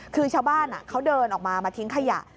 คือชาวบ้านเขาเดินออกมามาทิ้งขยะ